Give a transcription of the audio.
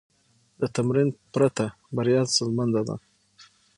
د تمرین پرته، بریا ستونزمنه ده.